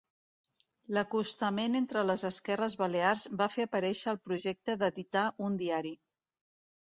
L'acostament entre les esquerres balears va fer aparèixer el projecte d'editar un diari.